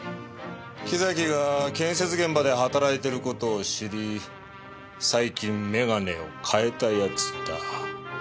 木崎が建設現場で働いてる事を知り最近メガネを変えた奴だ。